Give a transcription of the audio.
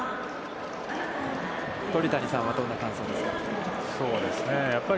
鳥谷さんはどんな感じですか。